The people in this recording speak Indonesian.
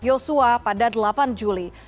yosua pada delapan juli